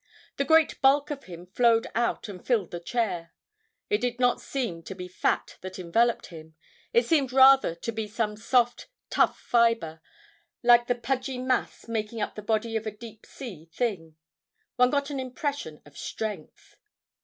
The great bulk of him flowed out and filled the chair. It did not seem to be fat that enveloped him. It seemed rather to be some soft, tough fiber, like the pudgy mass making up the body of a deep sea thing. One got an impression of strength.